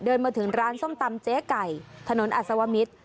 เดินมาถึงร้านส้มตำเจ๊ไก่ถนนอัศวมิตร